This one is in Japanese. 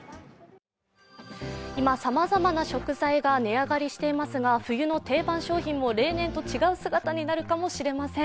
今、さまざまな食材が値上がりしていますが冬の定番商品も例年と違う姿になるかもしれません。